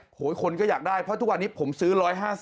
คนก็อยากได้เพราะทุกวันนี้ผมซื้อ๑๕๐